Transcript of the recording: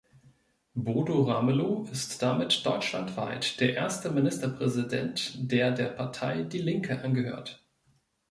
Bodo Ramelow ist damit deutschlandweit der erste Ministerpräsident, der der Partei "Die Linke" angehört.